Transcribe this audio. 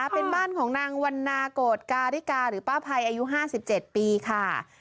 เป็นบ้านของนางวันนาโกดการิกาหรือป้าภัยอายุ๕๗ปีค่ะ